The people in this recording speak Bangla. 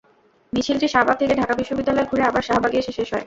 মিছিলটি শাহবাগ থেকে ঢাকা বিশ্ববিদ্যালয় ঘুরে আবার শাহবাগে এসে শেষ হয়।